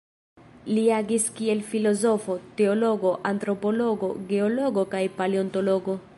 Li agis kiel filozofo, teologo, antropologo, geologo kaj paleontologo.